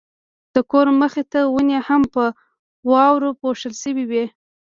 د کور مخې ته ونې هم په واورو پوښل شوې وې.